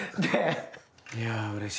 いやうれしい。